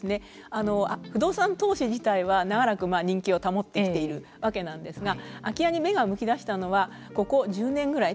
不動産投資自体は長らく人気を保ってきているわけなんですが空き家に目が向きだしたのは１０年ぐらい。